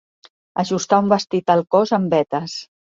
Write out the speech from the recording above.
Ajustar un vestit al cos amb vetes.